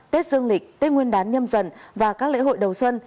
tết dương lịch tết nguyên đán nhâm dần và các lễ hội đầu xuân